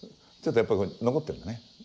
ちょっとやっぱ残ってるんだね。